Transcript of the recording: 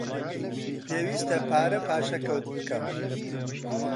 پێویستە پارە پاشەکەوت بکەم.